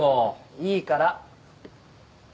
いいから。